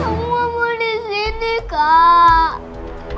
kamu mau disini kak